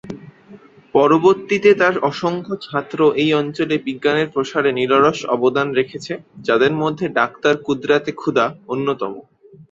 পরবর্তীতে তার অসংখ্য ছাত্র এই অঞ্চলে বিজ্ঞানের প্রসারে নিরলস অবদান রেখেছে, যাদের মধ্যে ডাক্তার কুদরাত-এ-খুদা অন্যতম।